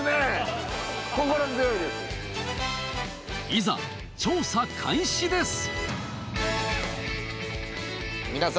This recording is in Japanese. いざ調査開始です。